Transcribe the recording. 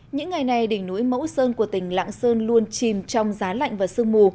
những ngày này đỉnh núi mẫu sơn của tỉnh lạng sơn luôn chìm trong giá lạnh và sương mù